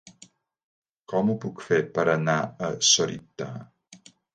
Com ho puc fer per anar a Sorita?